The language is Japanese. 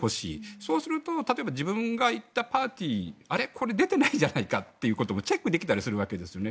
そうすると例えば自分が行ったパーティーあれ、これ出てないじゃないかということをチェックできたりするわけですよね。